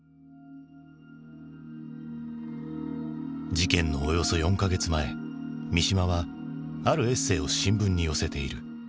事件のおよそ４か月前三島はあるエッセーを新聞に寄せている。